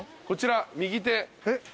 こちら右手